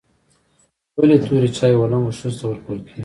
ولي توري چای و لنګو ښځو ته ورکول کیږي؟